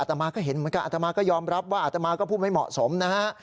ตามมาก็เห็นเหมือนกันอัตมาก็ยอมรับว่าอัตมาก็พูดไม่เหมาะสมนะฮะ